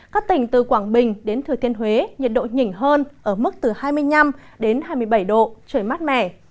các tỉnh từ quảng bình đến thừa thiên huế nhiệt độ nhỉnh hơn ở mức từ hai mươi năm đến hai mươi bảy độ trời mát mẻ